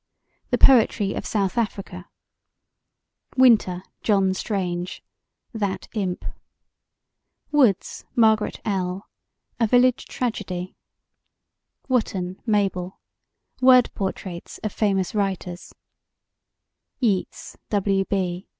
The Poetry of South Africa WINTER, JOHN STRANGE: That Imp WOODS, MARGARET L.: A Village Tragedy WOTTON, MABEL: Word Portraits of Famous Writers YEATS, W. B.